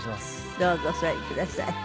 どうぞお座りください。